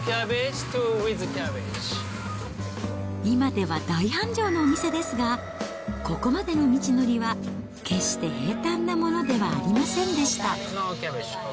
今では大繁盛のお店ですが、ここまでの道のりは、決して平たんなものではありませんでした。